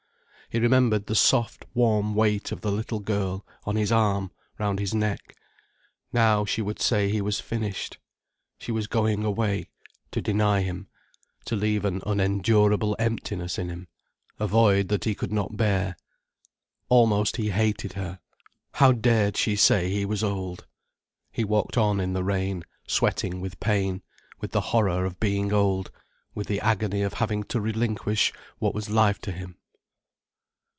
He remembered the soft, warm weight of the little girl on his arm, round his neck. Now she would say he was finished. She was going away, to deny him, to leave an unendurable emptiness in him, a void that he could not bear. Almost he hated her. How dared she say he was old. He walked on in the rain, sweating with pain, with the horror of being old, with the agony of having to relinquish what was life to him.